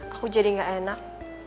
aku jadi gak enak